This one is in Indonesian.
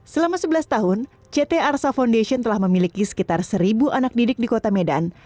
selama sebelas tahun ct arsa foundation telah memiliki sekitar seribu anak didik di kota medan